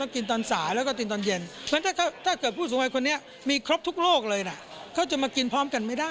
เขาก็จับมากินพร้อมกัน